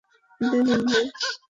এটা নিন, ভাই।